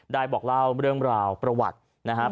บอกเล่าเรื่องราวประวัตินะครับ